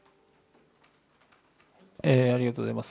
ありがとうございます。